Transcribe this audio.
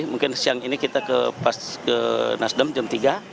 mungkin siang ini kita ke nasdem jam tiga